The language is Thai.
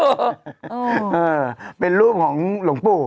เออเป็นรูปของหลวงปู่